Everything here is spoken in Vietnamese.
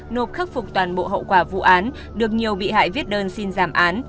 nộp khắc phục toàn bộ hậu quả vụ án được nhiều bị hại viết đơn xin giảm án